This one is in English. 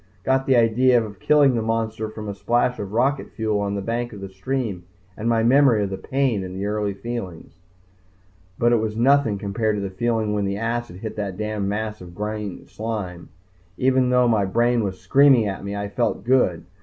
Got the idea of killing the monster from a splash of rocket fuel on the bank of the stream and my memory of the pain in the early feelings. But it was nothing compared to the feeling when the acid hit that damned mass of green slime! Even though my brain was screaming at me, I felt good.